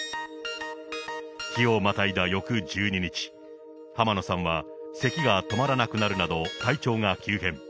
日をまたいだ翌１２日、浜野さんはせきが止まらなくなるなど体調が急変。